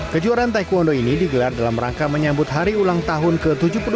kejuaraan taekwondo ini digelar dalam rangka menyambut hari ulang tahun ke tujuh puluh dua